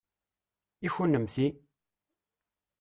I kunemti?